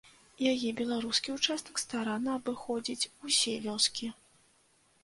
Яе беларускі ўчастак старанна абыходзіць усе вёскі.